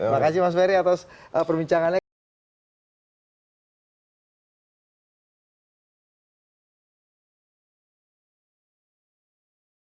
terima kasih mas ferry atas perbincangannya